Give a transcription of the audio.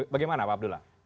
bagaimana pak abdullah